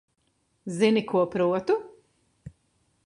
Zini, ko protu?